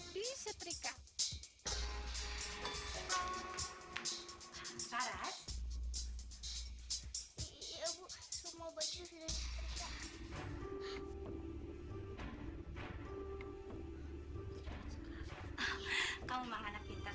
dia bisa mengantarkan kemana saja sesuai permintaan kita